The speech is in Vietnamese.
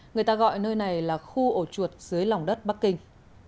người ta gọi nơi này là khu ổ chuột dưới lòng đất bắc kinh